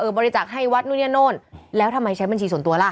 เออบริจักษ์ให้วัฒน์นู่นเนี่ยโน่นแล้วทำไมใช้บัญชีส่วนตัวล่ะ